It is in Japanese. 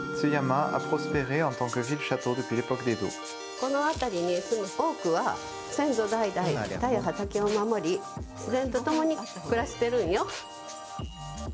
この辺りに住む多くは先祖代々、畑を守り自然とともに暮らしてるんよ。